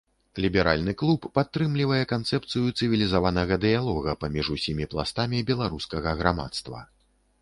Ліберальны клуб падтрымлівае канцэпцыю цывілізаванага дыялога паміж усімі пластамі беларускага грамадства.